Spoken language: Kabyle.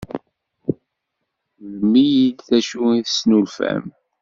Mlem-iyi-d d acu i d-tesnulfam.